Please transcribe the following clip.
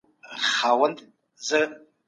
خپلي خبري به په لنډو ټکو کي وایئ.